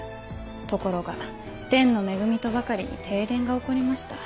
ところが天の恵みとばかりに停電が起こりました。